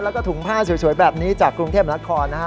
แล้วก็ถุงผ้าสวยแบบนี้จากกรุงเทพนครนะฮะ